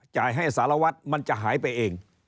จ่ายให้สารวัตรมันจะหายไปเอง